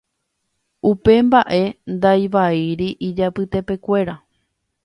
Upe mbaʼe ndaivaíri ijapytepekuéra.